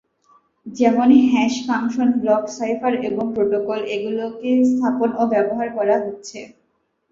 যেমনঃ hash function, block cipher এবং protocol; এগুলোকে স্থাপন ও ব্যবহার করা হচ্ছে।